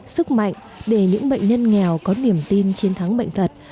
sức mạnh để những bệnh nhân nghèo có niềm tin chiến thắng bệnh thật